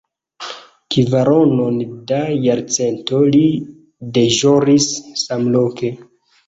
Kvaronon da jarcento li deĵoris samloke.